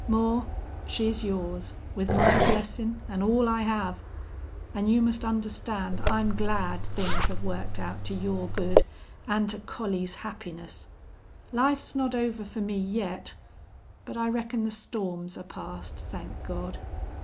"Moore, she's yours, with my blessin' an' all I have.... An' you must understand I'm glad things have worked out to your good an' to Collie's happiness.... Life's not over fer me yet. But I reckon the storms are past, thank God!...